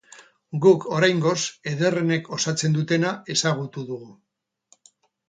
Guk, oraingoz, ederrenek osatzen dutena ezagutu dugu.